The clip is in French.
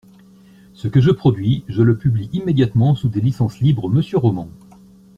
Ce que je produis, je le publie immédiatement sous des licences libres monsieur Roman